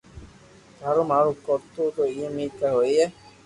ٿارو مارو ڪرو تو ايم اي ھوئي